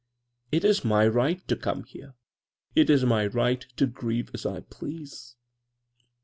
It is my right to come here. It is my right to grieve as I please.